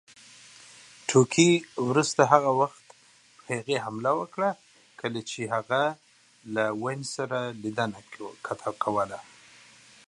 The Joker later attacks her while she meets with Wayne.